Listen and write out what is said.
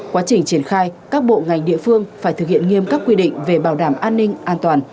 quá trình triển khai các bộ ngành địa phương phải thực hiện nghiêm các quy định về bảo đảm an ninh an toàn